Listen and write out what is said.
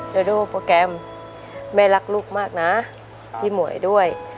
เดี๋ยวดูโปรแกรมแม่รักลูกมากนะพี่หมวยด้วย